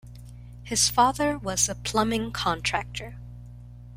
His father was a plumbing contractor.